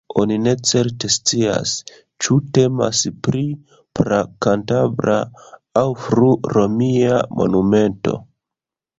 Oni ne certe scias, ĉu temas pri pra-kantabra aŭ fru-romia monumento.